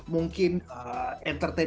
mungkin entertain yang lain